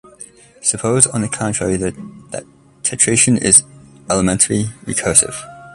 Suppose on the contrary that tetration is elementary recursive.